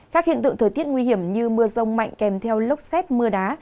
các hiện tượng thời tiết nguy hiểm như mưa rông mạnh kèm theo lốc xét mưa đá